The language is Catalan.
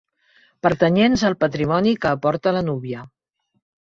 Pertanyents al patrimoni que aporta la núvia.